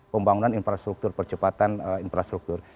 pembangunan infrastruktur percepatan infrastruktur